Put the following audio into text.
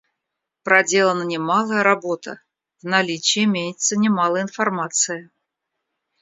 Проделана немалая работа; в наличии имеется немало информации.